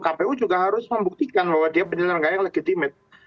kpu juga harus membuktikan bahwa dia penyelenggara yang legitimit